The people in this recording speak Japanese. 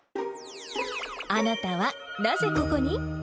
あなたはなぜここに？